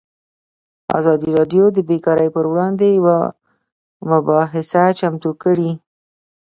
ازادي راډیو د بیکاري پر وړاندې یوه مباحثه چمتو کړې.